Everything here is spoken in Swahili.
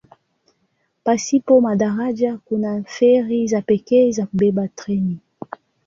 Pasipo madaraja kuna feri za pekee za kubeba treni.